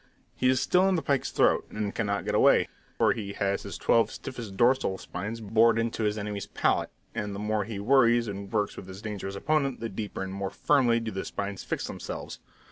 He is still in the pike's throat, and cannot get away, for he has his twelve stiffest dorsal spines bored into his enemy's palate; and the more he worries and works with his dangerous opponent, the deeper and more firmly do the spines fix themselves.